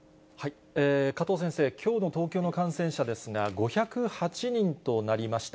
加藤先生、きょうの東京の感染者ですが、５０８人となりました。